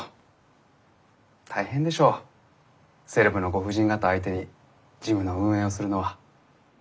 大変でしょうセレブのご婦人方相手にジムの運営をするのは。